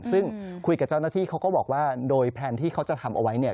ซึ่งคุยกับเจ้าหน้าที่เขาก็บอกว่าโดยแพลนที่เขาจะทำเอาไว้เนี่ย